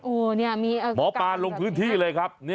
โอ้นี่มีอาการ